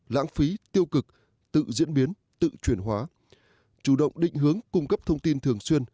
lãng phí tiêu cực tự diễn biến tự chuyển hóa chủ động định hướng cung cấp thông tin thường xuyên